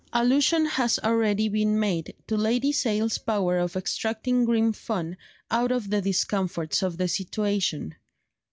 Allusion has already been made to Lady Sale's power of extracting grim fun out of the discomforts of the situation.